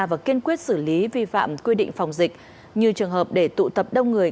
và kiên quyết xử lý vi phạm quy định phòng dịch như trường hợp để tụ tập đông người